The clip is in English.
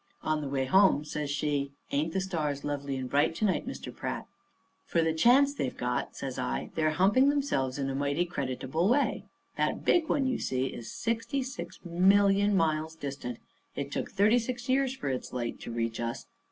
On the way home says she: "Ain't the stars lovely and bright to night, Mr. Pratt?" "For the chance they've got," says I, "they're humping themselves in a mighty creditable way. That big one you see is sixty six million miles distant. It took thirty six years for its light to reach us.